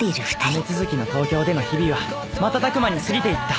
雨続きの東京での日々は瞬く間に過ぎていった